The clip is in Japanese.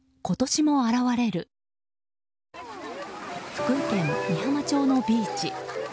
福井県美浜町のビーチ。